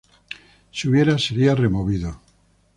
Si hubiera, sería removido.